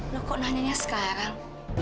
lo kok nanyanya sekarang